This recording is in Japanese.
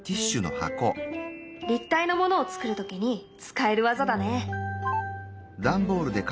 立体のものを作る時に使える技だね。